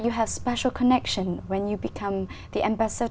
tôi thực sự đã ở trong công nghiệp bài hát